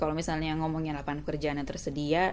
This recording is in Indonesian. kalau misalnya ngomongin lapangan kerjaan yang tersedia